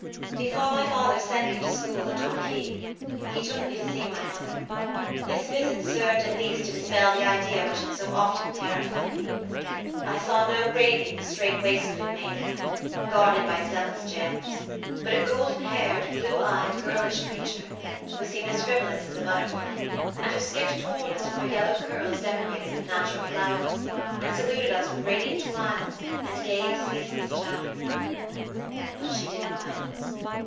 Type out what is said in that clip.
"Before my father sent me to school at Torquay, he took me to see my mother. This visit served at least to dispel the idea which had so often terrified me. I saw no raving, straight waist coated maniac, guarded by zealous jailers, but a golden haired, blue eyed, girlish creature, who seemed as frivolous as a butterfly, and who skipped toward us with her yellow curls decorated with natural flowers, and saluted us with radiant smiles, and gay, ceaseless chatter. "But she didn't know us.